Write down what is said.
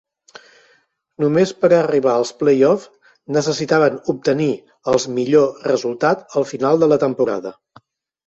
Només per arribar als playoffs, necessitaven obtenir els millor resultat al final de la temporada.